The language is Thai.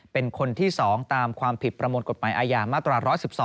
เป็นคนที่๒ตามความผิดประมวลกฎหมายอาญามาตรา๑๑๒